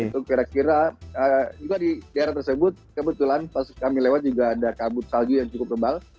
itu kira kira juga di daerah tersebut kebetulan pas kami lewat juga ada kabut salju yang cukup tebal